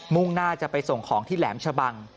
่งหน้าจะไปส่งของที่แหลมชะบัง